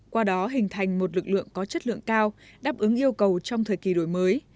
qua đó hình thành một lực lượng có chất lượng cao đáp ứng yêu cầu trong thời kỳ đổi mới